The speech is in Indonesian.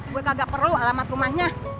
gue kagak perlu alamat rumahnya